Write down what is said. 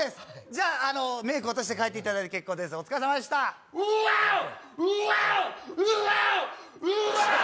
じゃああのメイク落として帰っていただいて結構ですお疲れさまでしたウワーオ！